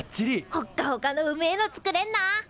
ほっかほかのうめえの作れんな！